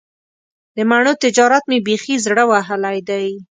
د مڼو تجارت مې بیخي زړه وهلی دی.